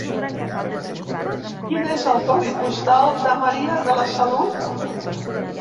Quin és el codi postal de Maria de la Salut?